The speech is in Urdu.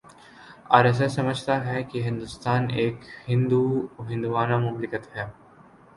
آر ایس ایس سمجھتا ہے کہ ہندوستان ایک ہندووانہ مملکت ہے